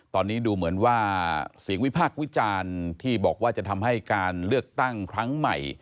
ตอนนี้ดูเหมือนว่าเสียงวิพากษ์วิจารณ์ที่บอกว่าจะทำให้การเลือกตั้งครั้งใหม่